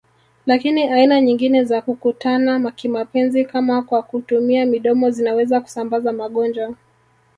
Lakini aina nyingine za kukutana kimapenzi kama kwa kutumia midomo zinaweza kusambaza magonjwa